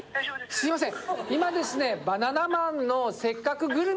すいません